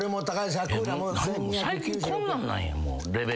最近こんなんなんやもうレベルが。